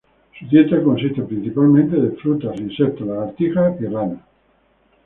Su dieta consiste principalmente de frutas, insectos, lagartijas y ranas.